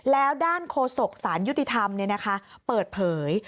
แล้วด้านโฆษกสารยุติธรรมเปิดเผย